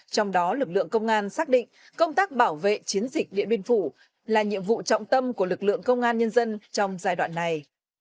trong đó lực lượng công an xác định công tác bảo vệ chiến dịch điện biên phủ là nhiệm vụ trọng tâm của lực lượng công an nhân dân trong giai đoạn này